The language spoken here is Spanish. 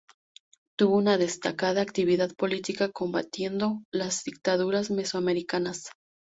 Tuvo una destacada actividad política combatiendo las dictaduras mesoamericanas.